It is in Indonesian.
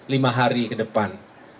lima hari ke depan